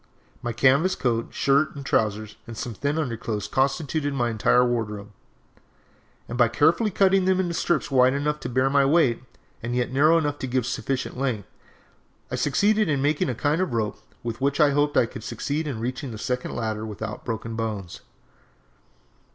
My canvas coat, shirt, and trousers and some thin underclothes constituted my entire wardrobe, and by carefully cutting them into strips wide enough to bear my weight, and yet narrow enough to give sufficient length, I succeeded in making a kind of a rope with which I hoped I could succeed in reaching the second ladder without broken bones!